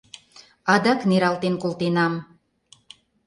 — Адак нералтен колтенам...